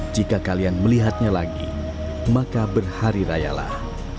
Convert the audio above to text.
jika kalian melihatnya lagi maka berhari rayalah